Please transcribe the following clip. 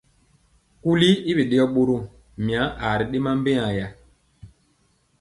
Kuli i biɗeyɔ ɓorom, mya aa ri ɗema mbeyaa.